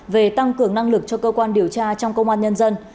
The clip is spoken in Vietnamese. về tăng cường năng lực cho cơ quan điều tra trong công an nhân dân